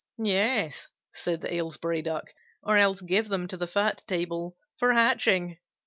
"Yes," said the Aylesbury Duck, "or else give them to the fat table for hatching."